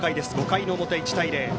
５回の表、１対０。